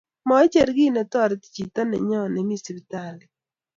Moicher kiy netoriti chito nenyoo nemii siptalit